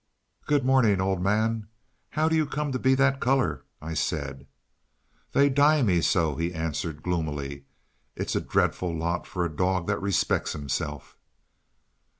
"Good morning, old man; how do you come to be that colour?" I said. "They dye me so," he answered gloomily. "It's a dreadful lot for a dog that respects himself."